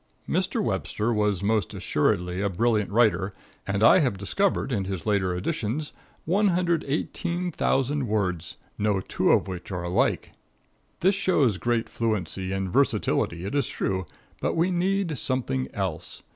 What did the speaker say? Mr. Webster was most assuredly a brilliant writer, and I have discovered in his later editions 118,000 words, no two of which are alike. This shows great fluency and versatility, it is true, but we need something else.